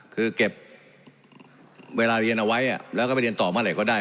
คือเก็บเวลาเรียนเอาไว้แล้วก็ไปเรียนต่อเมื่อไหร่ก็ได้